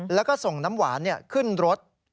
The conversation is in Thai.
แล้วก็ส่งน้ำหวานขึ้นรถ